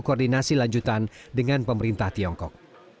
koordinasi lanjutan dengan pemerintah tiongkok